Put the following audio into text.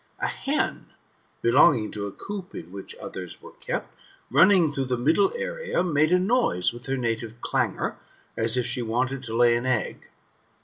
A hen, belonging to a coop in which othtrs were kept, running through the middle area, made a noise with her native clangour, as if she wanted to lay an e^*